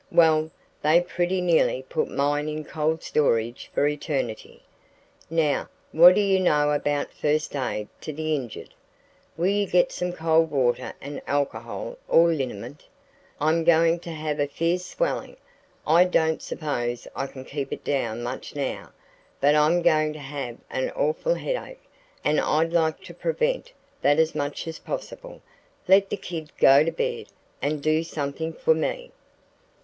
Well, they pretty nearly put mine in cold storage for eternity. Now, what do you know about 'first aid to the injured?' Will you get some cold water and alcohol or liniment? I'm going to have a fierce swelling. I don't suppose I can keep it down much now, but I'm going to have an awful headache and I'd like to prevent that as much as possible. Let the kid go to bed, and do something for me."